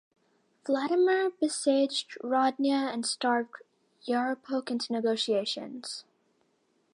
Vladimir besieged Rodnya and starved Yaropolk into negotiations.